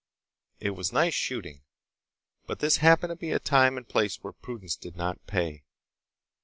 It was nice shooting. But this happened to be a time and place where prudence did not pay.